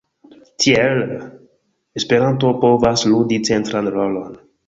Tiel, Esperanto povas ludi centran rolon.